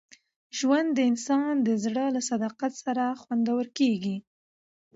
ژوند د انسان د زړه له صداقت سره خوندور کېږي.